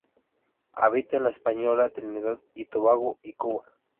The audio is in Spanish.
Habita en La Española, Trinidad y Tobago y Cuba.